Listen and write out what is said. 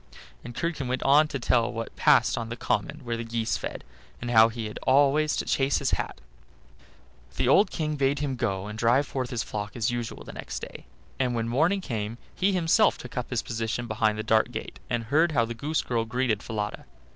'" And Curdken went on to tell what passed on the common where the geese fed, and how he had always to chase his hat. The old King bade him go and drive forth his flock as usual next day; and when morning came he himself took up his position behind the dark gate, and heard how the goose girl greeted Falada.